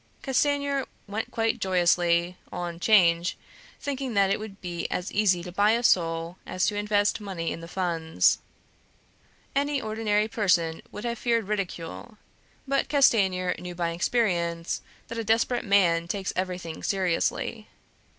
Castanier went quite joyously on 'Change, thinking that it would be as easy to buy a soul as to invest money in the Funds. Any ordinary person would have feared ridicule, but Castanier knew by experience that a desperate man takes everything seriously.